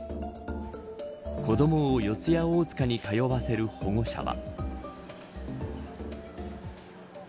子どもを四谷大塚に通わせる保護者は。